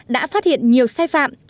đã phát hiện nhiều sai phạm